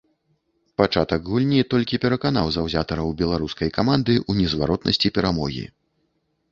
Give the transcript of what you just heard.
Пачатак гульні толькі пераканаў заўзятараў беларускай каманды ў незваротнасці перамогі.